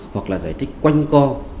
hoặc là giải thích quanh co